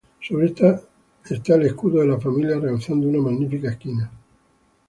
Sobre esta está el escudo de la familia realzando una magnífica esquina.